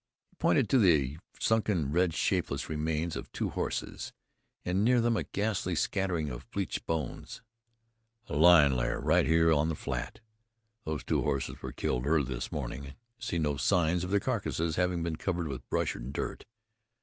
He pointed to the sunken, red, shapeless remain of two horses, and near them a ghastly scattering of bleached bones. "A lion lair right here on the flat. Those two horses were killed early this spring, and I see no signs of their carcasses having been covered with brush and dirt.